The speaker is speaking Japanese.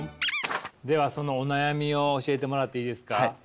ではそのお悩みを教えてもらっていいですか？